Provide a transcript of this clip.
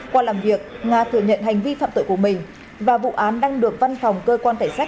qua làm việc nga thừa nhận hành vi phạm tội của mình và vụ án đang được văn phòng cơ quan cảnh sát